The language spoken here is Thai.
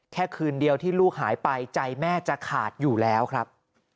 แค่คืนเดียวที่ลูกหายไปใจแม่จะขาดอยู่แล้วครับ